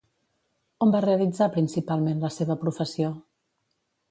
On va realitzar, principalment, la seva professió?